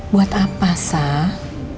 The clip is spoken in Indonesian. buat apa sah